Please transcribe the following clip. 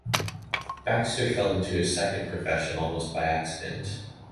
Baxter fell into his second profession almost by accident.